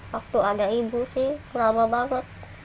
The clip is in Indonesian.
waktu ada ibu sih lama banget